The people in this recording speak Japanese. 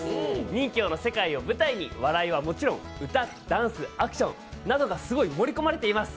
任侠の世界を舞台に笑いはもちろん、歌、ダンス、アクションなどが盛り込まれています。